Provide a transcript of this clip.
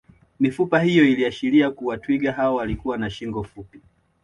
Mifupa hiyo iliashiria kuwa twiga hao walikuwa na shingo fupi